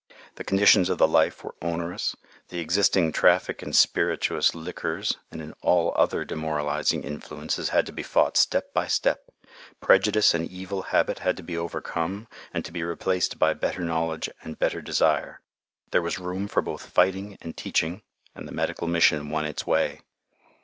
The conditions of the life were onerous, the existing traffic in spirituous liquors and in all other demoralizing influences had to be fought step by step, prejudice and evil habit had to be overcome and to be replaced by better knowledge and better desire, there was room for both fighting and teaching, and the medical mission won its way.